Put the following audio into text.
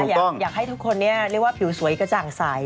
อยากให้ทุกคนเรียกว่าผิวสวยกระจ่างใส